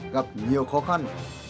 gặp nhiều khó khăn